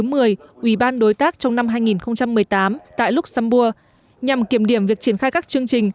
ủy ban đối tác trong năm hai nghìn một mươi tám tại luxembourg nhằm kiểm điểm việc triển khai các chương trình